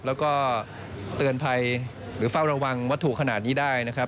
แล้วก็เตือนภัยหรือเฝ้าระวังวัตถุขนาดนี้ได้นะครับ